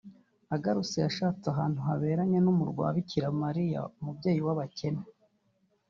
Agarutse yashatse ahantu haberanye n’umurwa wa Bikira Mariya Umubyeyi w’abakene